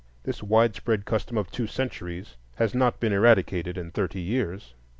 This widespread custom of two centuries has not been eradicated in thirty years.